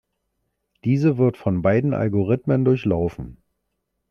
Diese wird von beiden Algorithmen durchlaufen.